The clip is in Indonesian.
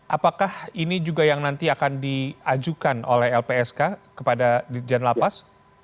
apakah ini juga yang nanti akan diajukan oleh lpsk kepada dirjen lapas